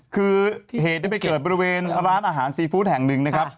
คือเหตุที่ไปเกิดบริเวณร้านอาหารซีฟู้ดแห่งหนึ่งนะครับ